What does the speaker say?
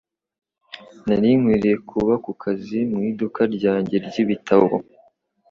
Nari nkwiriye kuba ku kazi mu iduka ryanjye ry'ibitabo